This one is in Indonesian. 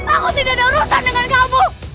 aku tidak ada urusan dengan kamu